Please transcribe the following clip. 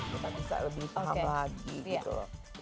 kita bisa lebih paham lagi gitu loh